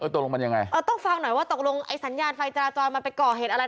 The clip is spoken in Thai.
ตกลงมันยังไงเออต้องฟังหน่อยว่าตกลงไอ้สัญญาณไฟจราจรมันไปก่อเหตุอะไร